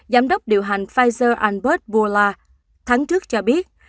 giám đốc điều hành pfizer ambudsman burla tháng trước cho biết